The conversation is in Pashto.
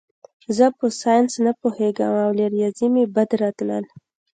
زه په ساینس نه پوهېږم او له ریاضي مې بد راتلل